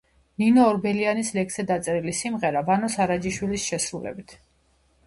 ნინო ორბელიანის ლექსზე დაწერილი სიმღერა ვანო სარაჯიშვილის შესრულებით.